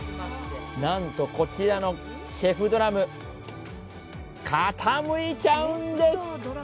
なんとこちらのシェフドラム、傾いちゃうんです。